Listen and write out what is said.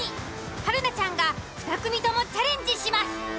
春菜ちゃんが２組ともチャレンジします。